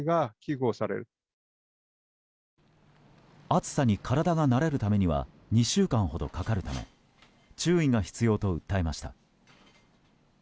暑さに体が慣れるためには２週間ほどかかるため注意が必要と訴えました。